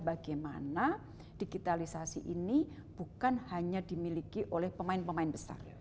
bagaimana digitalisasi ini bukan hanya dimiliki oleh pemain pemain besar